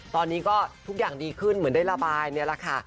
ตอนนี้ก็ทุกอย่างดีขึ้นเหมือนได้ระบายนี่แหละค่ะ